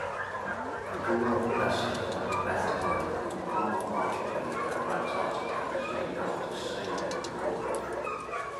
Grigorov Glacier on Brabant Island in Palmer Archipelago, Antarctica is named after Stamen Grigorov.